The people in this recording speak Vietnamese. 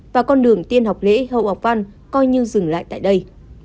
và con đường tiên học lễ hậu ngọc văn coi như dừng lại tại đây